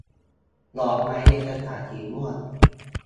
ดอกไม้ในกระถางสีม่วง